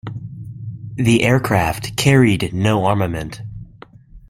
The aircraft carried no armament.